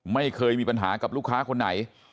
ไม่เคยมีปัญหากับลูกค้าคนไหน